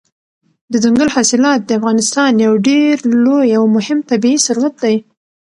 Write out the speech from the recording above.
دځنګل حاصلات د افغانستان یو ډېر لوی او مهم طبعي ثروت دی.